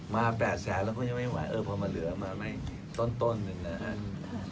มา๘แสนแล้วก็ยังไม่ไหวเออพอมาเหลือมาไม่ต้นหนึ่งนะครับ